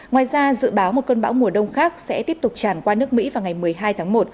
ngoài ra dự báo một cơn bão mùa đông khác sẽ tiếp tục tràn qua nước mỹ vào ngày một mươi hai tháng một